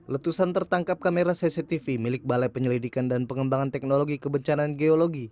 letusan tertangkap kamera cctv milik balai penyelidikan dan pengembangan teknologi kebencanaan geologi